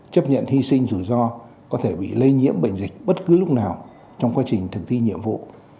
chấp nhận hy sinh rủi ro có thể bị lây nhiễm bệnh dịch bất cứ lúc nào trong quá trình thực thi nhiệm vụ